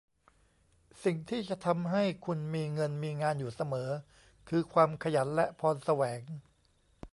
สิ่งที่จะทำให้คุณมีเงินมีงานอยู่เสมอคือความขยันและพรแสวง